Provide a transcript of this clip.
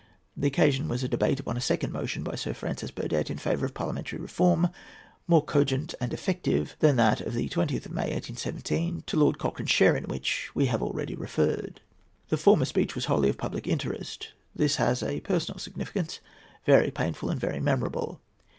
The occasion was a debate upon a second motion by Sir Francis Burdett in favour of parliamentary reform, more cogent and effective than that of the 20th of May, 1817, to Lord Cochrane's share in which we have already referred. The former speech was wholly of public interest. This has a personal significance, very painful and very memorable.